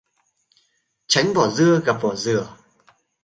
Tránh vỏ dưa gặp vỏ dừa